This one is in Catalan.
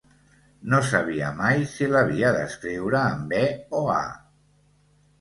No sabia mai si l’havia d’escriure amb e o a.